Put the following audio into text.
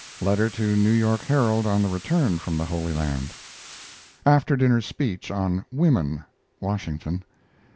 Letter to New York Herald on the return from the Holy Land. After dinner speech on "Women" (Washington).